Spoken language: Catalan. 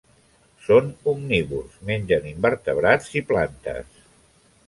Són omnívors: mengen invertebrats i plantes.